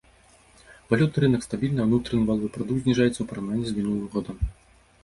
Валютны рынак стабільны а ўнутраны валавы прадукт зніжаецца ў параўнанні з мінулым годам.